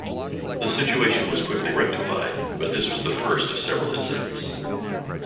The situation was quickly rectified, but this was the first of several incidents.